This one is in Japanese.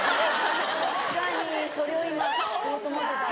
確かにそれを今聞こうと思ってた。